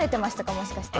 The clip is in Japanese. もしかして。